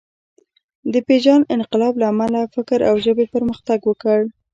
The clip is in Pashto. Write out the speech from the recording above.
د پېژاند انقلاب له امله فکر او ژبې پرمختګ وکړ.